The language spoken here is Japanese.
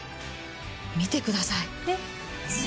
見てください。